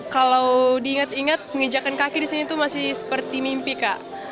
kalau diingat ingat menginjakan kaki di sini itu masih seperti mimpi kak